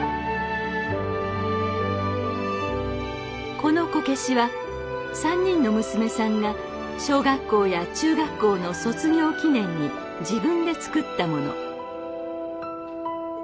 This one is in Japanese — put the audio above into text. このこけしは３人の娘さんが小学校や中学校の卒業記念に自分で作ったもの。